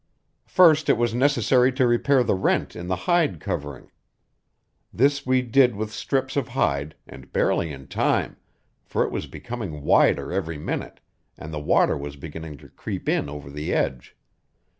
First it was necessary to repair the rent in the hide covering. This we did with strips of hide; and barely in time, for it was becoming wider every minute, and the water was beginning to creep in over the edge.